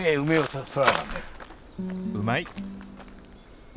うまい！